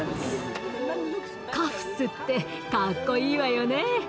カフスってかっこいいわよね。